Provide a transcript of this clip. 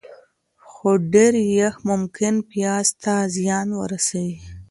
خو ډېر یخ ممکن پیاز ته زیان ورسوي.